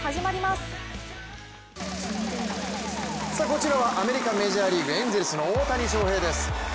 こちらはアメリカ・メジャーリーグエンゼルスの大谷翔平です。